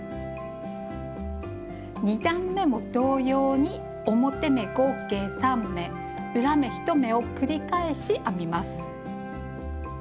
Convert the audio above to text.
２段めも同様に表目合計３目裏目１目を繰り返し編みます。